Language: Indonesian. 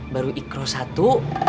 baru ikro satu